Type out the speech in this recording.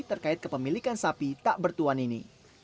terkait kepemilikan sapi tak bertuan ini